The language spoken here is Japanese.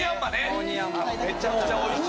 めちゃくちゃおいしい。